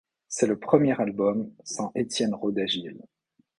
C'est le premier album sans Étienne Roda-Gil.